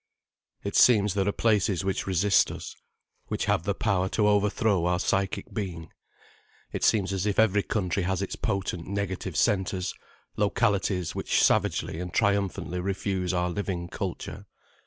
It seems there are places which resist us, which have the power to overthrow our psychic being. It seems as if every country has its potent negative centres, localities which savagely and triumphantly refuse our living culture.